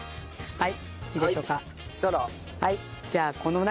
はい。